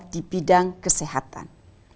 di bidang kesehatan